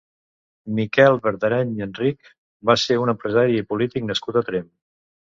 Miquel Verdeny Enrich va ser un empresari i polític nascut a Tremp.